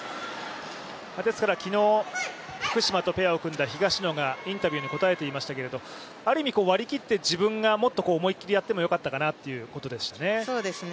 昨日、福島とペアを組んだ東野がインタビューに答えていましたけどある意味割り切って自分がもっと思いっきりやってもよかったのかなということでしたね。